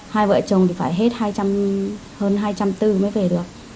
hai vợ chồng thì phải hết hơn hai trăm bốn mươi mới về được